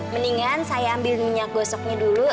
mendingan saya ambil minyak gosoknya dulu